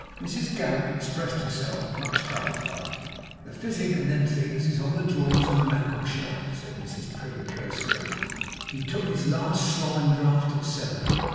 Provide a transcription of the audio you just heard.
Mrs Gamp expressed herself much gratified. 'The physic and them things is on the drawers and mankleshelf,' said Mrs Prig, cursorily. 'He took his last slime draught at seven.